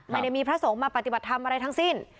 ไม่ได้มีพระสงฆ์มาปฏิบัติธรรมอะไรทั้งสิ้น